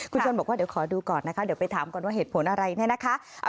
คุณชวนบอกว่าเดี๋ยวขอดูก่อนนะคะเดี๋ยวไปถามก่อนว่าเหตุผลอะไรเนี่ยนะคะ